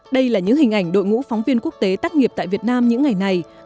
đây là những hình ảnh đội ngũ phóng viên quốc tế tắt nghiệp tại việt nam những ngày này